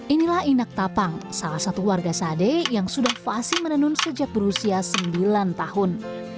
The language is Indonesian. inilah inak tapang salah satu warga sade yang sudah fasi menenun sejak berusia sembilan tahun